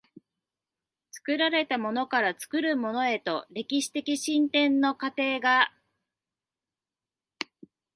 作られたものから作るものへとの歴史的進展の過程が、